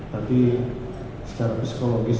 tapi secara psikologis